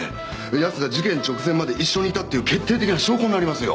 奴が事件直前まで一緒にいたっていう決定的な証拠になりますよ。